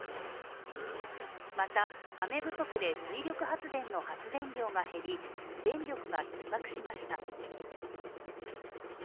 また、雨不足で水力発電の発電量が減り電力がひっ迫しました。